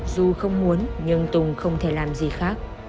dù không muốn nhưng tùng không thể làm gì khác